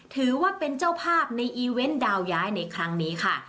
ถือว่าเป็นเจ้าภาพในอีเวนต์ดาวย้ายในครั้งนี้ค่ะ